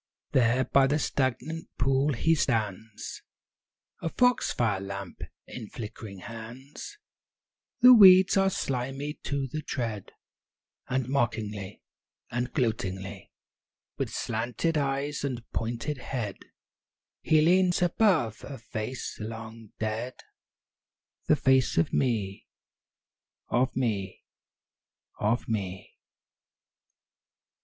IV There by the stagnant pool he stands, A foxfire lamp in flickering hands; The weeds are slimy to the tread, And mockingly, and gloatingly, With slanted eyes and pointed head, He leans above a face long dead, The face of me! of me! of me!